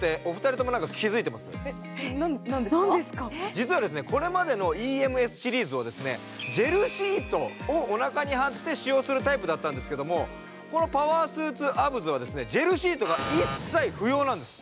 実はこれまでのＥＭＳシリーズはジェルシートをおなかに貼って使用するタイプだったんですけどこのパワースーツアブズはジェルシートが一切不要なんです。